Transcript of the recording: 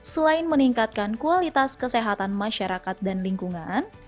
selain meningkatkan kualitas kesehatan masyarakat dan lingkungan